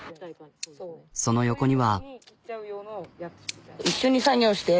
その横には。